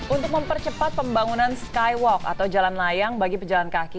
untuk mempercepat pembangunan skywalk atau jalan layang bagi pejalan kaki